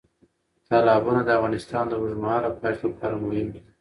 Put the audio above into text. تالابونه د افغانستان د اوږدمهاله پایښت لپاره مهم دي.